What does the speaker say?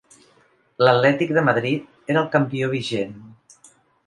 L'Atlètic de Madrid era el campió vigent.